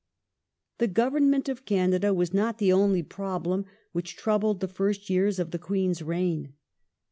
The Government of Canada was not the only ' problem which Chartism troubled the first years of the Queen's reign.